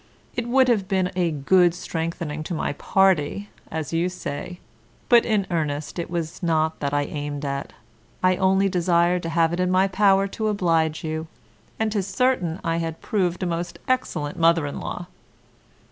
It would have been a good strengthening to my Party (as you say); but, in earnest, it was not that I aimed at, I only desired to have it in my power to oblige you; and 'tis certain I had proved a most excellent mother in law.